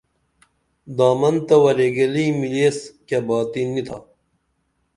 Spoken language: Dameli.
دامن تہ وریگَلی ملی ایس کیہ باتی نی تھا